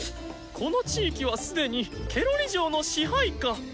この地域は既にケロリ嬢の支配下。